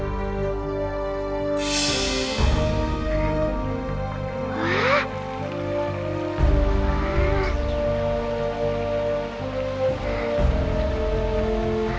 wah indah sekali